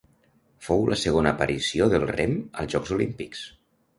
Fou la segona aparició del rem als Jocs Olímpics.